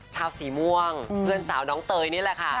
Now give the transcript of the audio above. ชาวสีม่วงเพื่อนสาวน้องเตยนี่แหละค่ะ